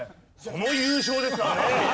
その優勝ですからね。